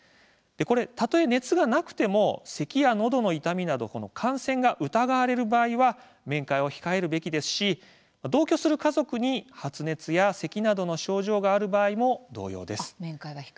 たとえ熱がなくても、せきやのどの痛みなど感染が疑われる場合は面会を控えるべきですし同居する家族に発熱やせきなどの症状がある場合も同様です。